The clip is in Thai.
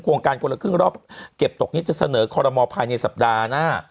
โครงการคนละครึ่งรอบเก็บตกนี้จะเสนอคอรมอลภายในสัปดาห์หน้า